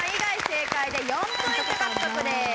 正解で４ポイント獲得です。